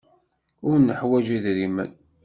Ur neḥwaj idrimen.